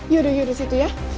yaudah yaudah disitu ya